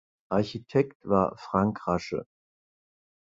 Architekt war Frank Rasche.